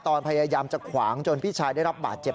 พยายามจะขวางจนพี่ชายได้รับบาดเจ็บ